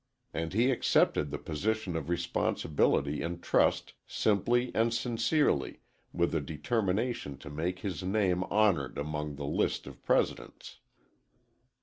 And he accepted the position of responsibility and trust, simply and sincerely with a determination to make his name honored among the list of presidents.